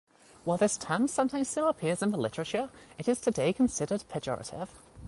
While this term sometimes still appears in the literature, it is today considered pejorative.